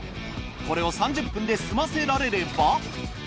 これを３０分で済ませられれば。